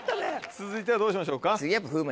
続いてはどうしましょうか？